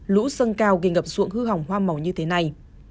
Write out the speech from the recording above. lũ sân cao gây ngập ruộng hư hỏng hoa màu như thế này